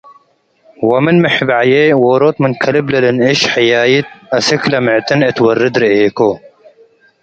ወምን ምሕበዕዬ ዎሮት ምን ከልብ ለልንእሽ ሕያይት አስክለ ምዕጥን እት ወር'ድ ርኤኮ።